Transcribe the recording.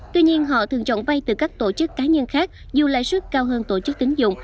tuy nhiên họ thường chọn vay từ các tổ chức cá nhân khác dù lãi suất cao hơn tổ chức tính dụng